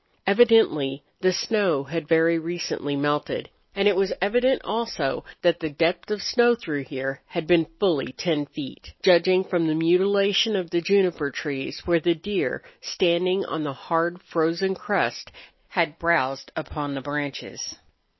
Evidently the snow had very recently melted, and it was evident also that the depth of snow through here had been fully ten feet, judging from the mutilation of the juniper trees where the deer, standing on the hard, frozen crust, had browsed upon the branches.